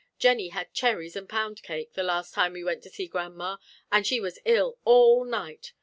Jennie had cherries and pound cake the last time we went to see grandma, and she was ill all night.